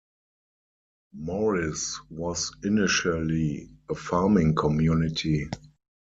Morris was initially a farming community.